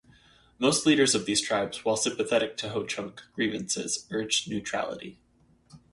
Most leaders of these tribes, while sympathetic to Ho-Chunk grievances, urged neutrality.